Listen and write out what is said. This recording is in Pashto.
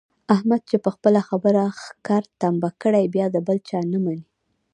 احمد چې په خپله خبره ښکر تمبه کړي بیا د بل چا نه مني.